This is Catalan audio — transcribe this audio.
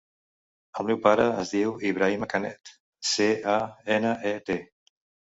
El meu pare es diu Ibrahima Canet: ce, a, ena, e, te.